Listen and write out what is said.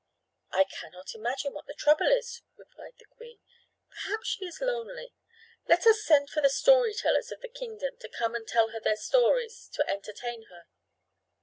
"I cannot imagine what the trouble is," replied the queen. "Perhaps she is lonely. Let us send for the storytellers of the kingdom to come and tell their stories to entertain her."